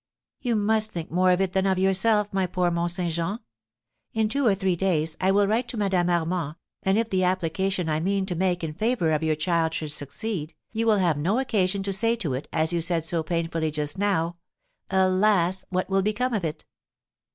"You must think more of it than of yourself, my poor Mont Saint Jean. In two or three days I will write to Madame Armand, and if the application I mean to make in favour of your child should succeed, you will have no occasion to say to it, as you said so painfully just now, 'Alas! What will become of it?'"